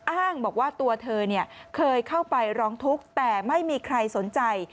อ้างบอกว่าตัวเธอเคยเข้าไปร้องทุกข์แต่ไม่มีใครสนใจ